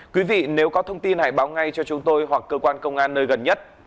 quý vị nếu có thông tin hãy báo ngay cho chúng tôi hoặc cơ quan công an nơi gần nhất